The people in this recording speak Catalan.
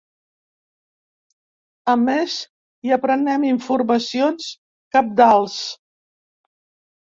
A més, hi aprenem informacions cabdals.